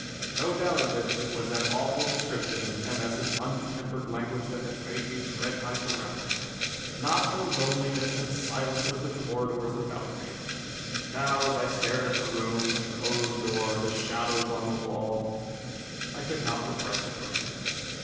No doubt of it, it was that awful description in M. S.'s untempered language that had made me dread my surroundings, not the loneliness and silence of the corridors about me. Now, as I stared at the room, the closed door, the shadows on the wall, I could not repress a grin.